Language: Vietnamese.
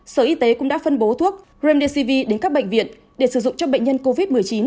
sở y tế cũng đã phân bố thuốc remdesv đến các bệnh viện để sử dụng cho bệnh nhân covid một mươi chín